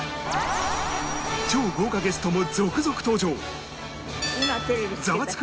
超豪華ゲストも続々登場！